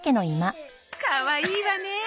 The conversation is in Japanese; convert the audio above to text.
かわいいわねえ。